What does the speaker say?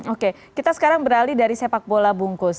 oke kita sekarang beralih dari sepak bola bungkus